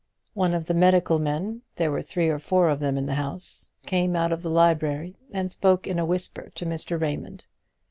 One of the medical men there were three or four of them in the house came out of the library and spoke in a whisper to Mr. Raymond.